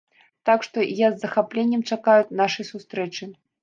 Так што, я з захапленнем чакаю нашай сустрэчы.